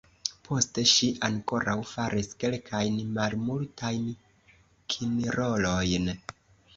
Poste ŝi ankoraŭ faris kelkajn malmultajn kinrolojn.